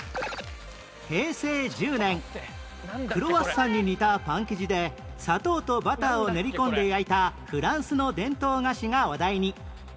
平成１０年クロワッサンに似たパン生地で砂糖とバターを練り込んで焼いたフランスの伝統菓子が話題に